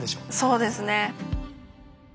そうですね。